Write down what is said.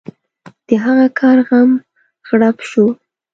د هغه کار غم غړپ شو.